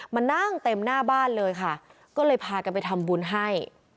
หน้าบ้านเลยค่ะก็เลยพากันไปทำบุญให้